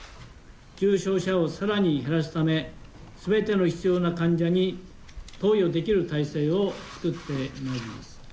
重症者をさらに減らすため、すべての必要な患者に投与できる体制を作ってまいります。